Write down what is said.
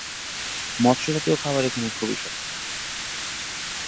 মৎস জাতীয় খাবার এখানে খুবই সস্তা।